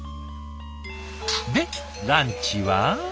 でランチは？